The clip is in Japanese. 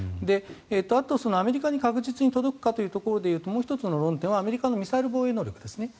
あと、アメリカに確実に届くかというところでいうともう１つの論点はアメリカのミサイル防衛能力ですね。